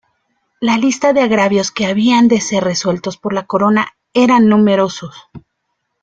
La lista de agravios que habían de ser resueltos por la Corona eran numerosos.